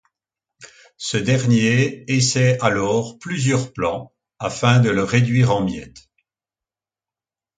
Ce dernier essaye alors plusieurs plans afin de le réduire en miettes.